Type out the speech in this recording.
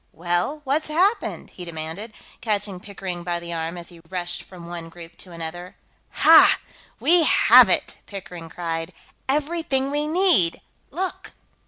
"Well, what's happened?" he demanded, catching Pickering by the arm as he rushed from one group to another. "Ha! We have it!" Pickering cried. "Everything we need! Look!"